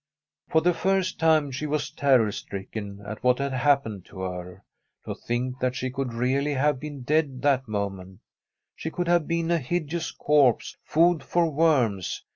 For the first time she was terror stricken at what bad happened to her. To think that she could really have been dead that moment I She could have been a hideous corpse, food for worms.